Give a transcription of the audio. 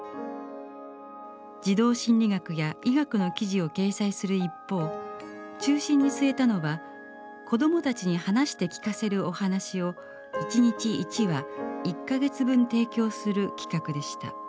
児童心理学や医学の記事を掲載する一方中心に据えたのは子どもたちに話して聞かせるお話を一日一話１か月分提供する企画でした。